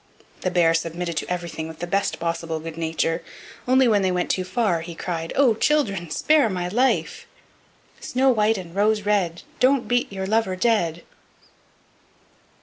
The bear submitted to everything with the best possible good nature, only when they went too far he cried: "Oh! children, spare my life! "Snow white and Rose red, Don't beat your lover dead."